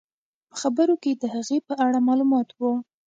په خبرونو کې د هغې په اړه معلومات وو.